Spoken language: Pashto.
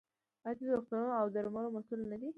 آیا دوی د روغتونونو او درملو مسوول نه دي؟